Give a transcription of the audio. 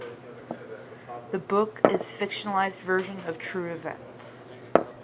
The book is fictionalized version of true events.